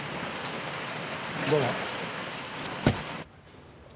どうも。